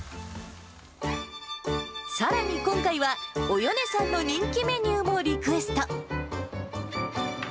さらに今回は、およねさんの人気メニューもリクエスト。